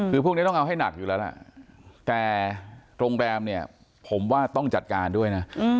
คือพวกนี้ต้องเอาให้หนักอยู่แล้วล่ะแต่โรงแรมเนี่ยผมว่าต้องจัดการด้วยนะ